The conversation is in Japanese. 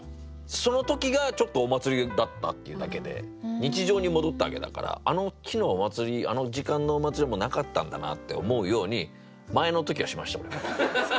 その時がちょっとお祭りだったっていうだけで日常に戻ったわけだからあの日のお祭りあの時間のお祭りはもうなかったんだなって思うように前の時はしました俺は。